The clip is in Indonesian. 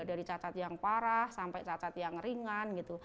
dari cacat yang parah sampai cacat yang ringan gitu